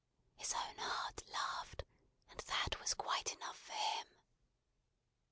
His own heart laughed: and that was quite enough for him.